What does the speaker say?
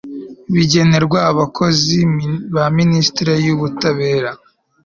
bigenerwa abakozi ba minisiteri y'ubutabera